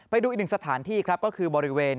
ไปดูอีกหนึ่งสถานที่ครับก็คือบริเวณ